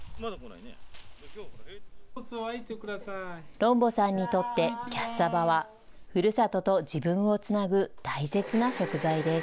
ロンボさんにとってキャッサバは、ふるさとと自分をつなぐ大切な食材です。